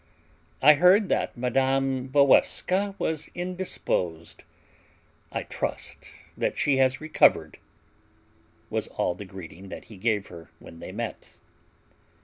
"I heard that Mme. Walewska was indisposed. I trust that she has recovered," was all the greeting that he gave her when they met.